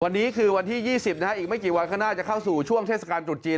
วันนี้คือวันที่๒๐นะฮะอีกไม่กี่วันข้างหน้าจะเข้าสู่ช่วงเทศกาลตรุษจีน